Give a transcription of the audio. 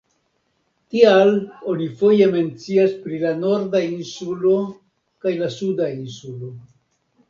Tial oni foje mencias pri la Norda Insulo kaj la Suda Insulo.